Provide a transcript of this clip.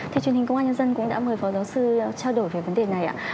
thì truyền hình công an nhân dân cũng đã mời phó giáo sư trao đổi về vấn đề này ạ